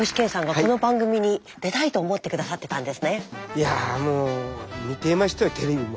いやもう見てましたよテレビも。